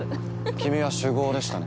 君は酒豪でしたね。